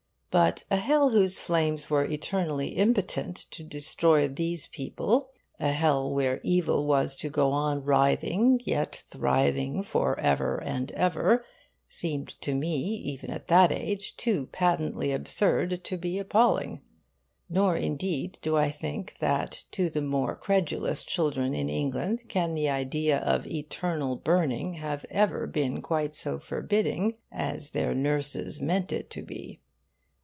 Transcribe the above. But a hell whose flames were eternally impotent to destroy these people, a hell where evil was to go on writhing yet thriving for ever and ever, seemed to me, even at that age, too patently absurd to be appalling. Nor indeed do I think that to the more credulous children in England can the idea of eternal burning have ever been quite so forbidding as their nurses meant it to be.